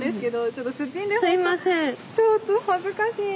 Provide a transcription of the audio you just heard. ちょっと恥ずかしい。